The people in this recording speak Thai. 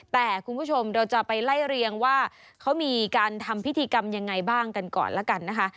แต่คุณผู้ชมเราจะไปไล่เรียงว่าเขามีการทำพิธีกรรมยังไงบ้างกันก่อนแล้วกันนะคะ